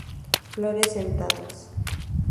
Flores sentadas.